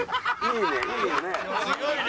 いいね。